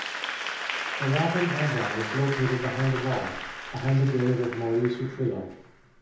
The Lapin Agile is located behind the wall, behind the grave of Maurice Utrillo.